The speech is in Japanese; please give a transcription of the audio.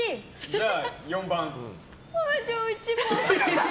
じゃあ、１番。